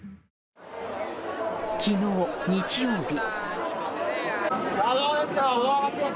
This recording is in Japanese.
昨日、日曜日。